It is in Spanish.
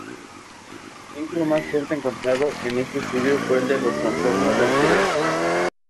El vínculo más fuerte encontrado en este estudio fue con los trastornos de ansiedad.